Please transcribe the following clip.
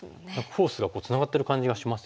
フォースがツナがってる感じがしますよね。